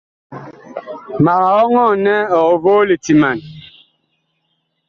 Mag ɔŋɔɔ nɛ ɔg voo litiman.